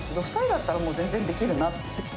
２人だったら、全然できるなって。